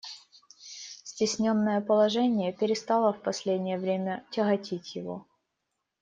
Cтесненное положение перестало в последнее время тяготить его.